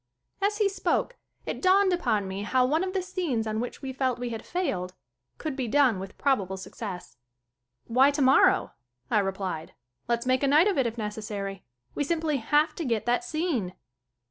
As he spoke it dawned upon me how one of SCREEN ACTING 41 the scenes on which we felt we had failed could be done with probable success. "Why tomorrow?" I replied. "Let's make a night of it if necessary. We simply have to get that scene."